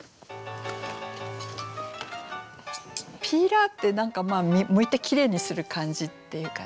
ピーラーって何かむいてきれいにする感じっていうかね。